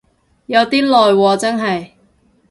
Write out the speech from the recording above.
有啲耐喎真係